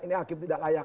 ini hakim tidak layak